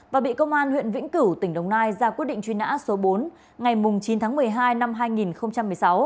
và bị công an huyện vĩnh cửu tỉnh đồng nai ra quyết định truy nã số bốn ngày chín tháng một mươi hai năm hai nghìn một mươi sáu